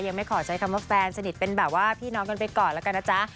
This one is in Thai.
ยังไม่ขอใช้คำว่าแฟนสนิทเป็นแบบว่าพี่น้องกันไปก่อนแล้วกันนะจ๊ะ